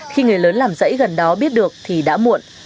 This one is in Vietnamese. khi người lớn làm dãy gần đó biết được thì đã muộn